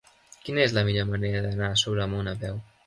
Quina és la millor manera d'anar a Sobremunt a peu?